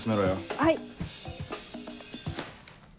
はい。